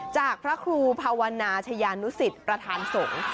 จากพระครูภาวนาชายานุสิตประธานสงฆ์